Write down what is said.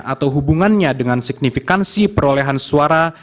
atau hubungannya dengan signifikansi perolehan suara